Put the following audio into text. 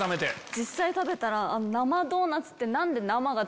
実際食べたら。